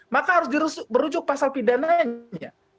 maka harus merujuk pasal pidananya